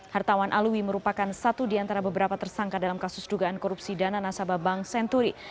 hartawan alwi merupakan satu di antara beberapa tersangka dalam kasus dugaan korupsi dana nasabah bank senturi